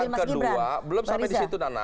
yang kedua belum sampai di situ nana